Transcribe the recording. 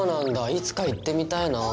いつか行ってみたいなぁ。